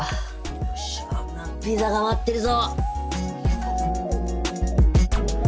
よっしゃピザが待ってるぞ。